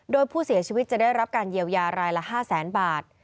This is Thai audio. โดยผู้เสียชีวิตจะได้รับการเยียวยารายละ๕แสนบาท